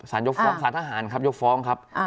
ยกฟ้องสารทหารครับยกฟ้องครับ